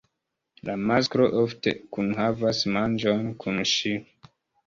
La masklo ofte kunhavas manĝon kun ŝi.